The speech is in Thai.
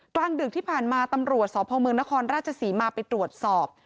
กลางดึกที่ผ่านมาตำรวจสพเมืองนครราชศรีมาไปตรวจสอบ